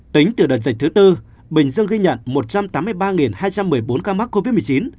tính từ đợt dịch thứ tư bình dương ghi nhận một trăm tám mươi ba hai trăm một mươi bốn ca mắc covid một mươi chín